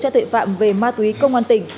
tuệ phạm về ma túy công an tỉnh